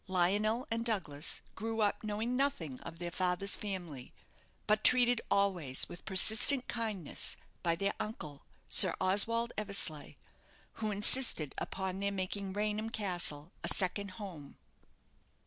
Lionel and Douglas grew up knowing nothing of their father's family, but treated always with persistent kindness by their uncle, Sir Oswald Eversleigh, who insisted upon their making Raynham Castle a second home."